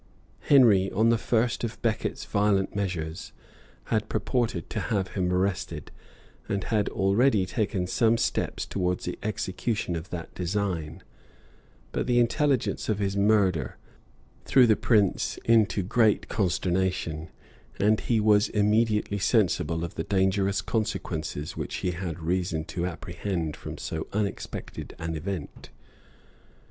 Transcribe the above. Henry, on the first report of Becket's violent measures, had purposed to have him arrested, and had already taken some steps towards the execution of that design; but the intelligence of his murder threw the prince into great consternation; and he was immediately sensible of the dangerous consequences which he had reason to apprehend from so unexpected an event.